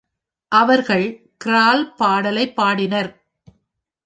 அவர்கள் "க்ரால்" பாடலைப் பாடினர்.